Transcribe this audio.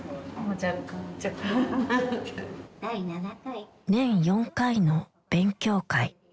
若干？年４回の勉強会。